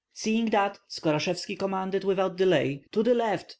Seeing this, Skorashevski commanded without delay, "To the left!